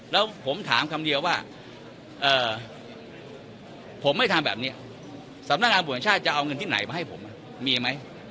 แล้วผมถามคำเดียวว่าผมไม่ทำแบบนี้สำนักงานบุญชาติจะเอาเงินที่ไหนมาให้ผมมีไหม